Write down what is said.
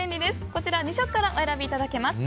こちらの２色からお選びいただけます。